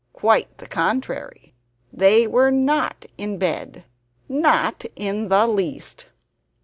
Quite the contrary; they were not in bed: NOT in the least.